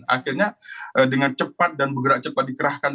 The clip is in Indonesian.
akhirnya dengan cepat dan bergerak cepat dikerahkan